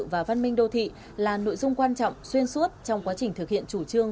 và văn minh đô thị là nội dung quan trọng xuyên suốt trong quá trình thực hiện chủ trương